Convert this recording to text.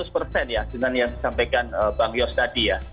saya setuju seratus dengan yang disampaikan bang yos tadi